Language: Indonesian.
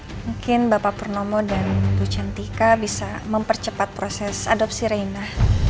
mungkin bapak purnomo dan bu chantika bisa mempercepat proses adopsi reina